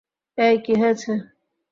এই, কী হয়েছে?